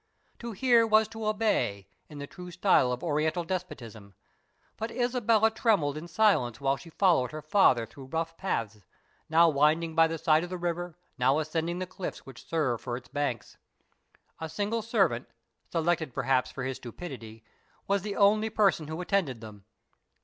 "To hear was to obey," in the true style of Oriental despotism; but Isabella trembled in silence while she followed her father through rough paths, now winding by the side of the river, now ascending the cliffs which serve for its banks. A single servant, selected perhaps for his stupidity, was the only person who attended them.